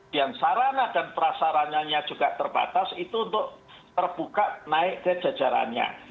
dan sarana dan prasaranya juga terbatas itu untuk terbuka naik ke jajarannya